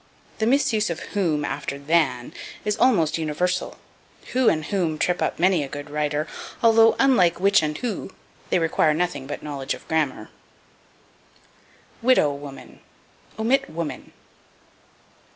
The misuse of whom after than is almost universal. Who and whom trip up many a good writer, although, unlike which and who, they require nothing but knowledge of grammar. Widow Woman. Omit woman.